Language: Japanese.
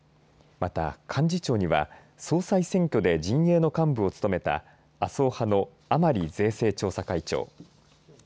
また幹事長には総裁選挙で陣営の幹部を務めた麻生派の甘利税制調査会長。